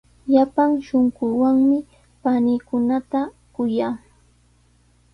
Llapan shunquuwanmi paniikunata kuyaa.